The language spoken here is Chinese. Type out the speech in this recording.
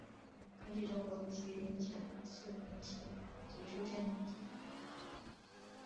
根据中国吉林省四平市梨树县的真实故事改编。